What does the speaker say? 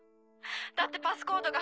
だってパスコードが。